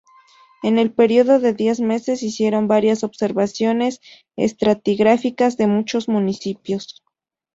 En el período de diez meses hicieron varias observaciones estratigráficas de muchos municipios.